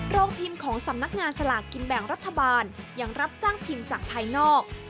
โรงพิมพ์ของสำนักงานสลากกินแบ่งรัฐบาลยังรับจ้างพิมพ์จากภายนอก